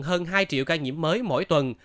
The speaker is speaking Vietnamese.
hơn hai triệu ca nhiễm mới mỗi tuần